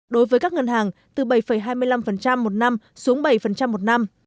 đối với các ngân hàng từ bảy hai mươi năm một năm xuống bảy một năm